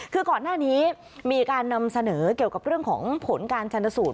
คือก่อนหน้านี้มีการนำเสนอเกี่ยวกับเรื่องของผลการชนสูตร